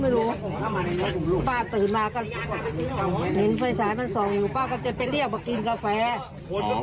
ไม่รู้ป้าตื่นมาก็เห็นไฟสายมันส่อง